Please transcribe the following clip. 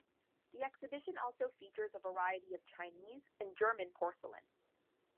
The exhibition also features a variety of Chinese and German porcelain.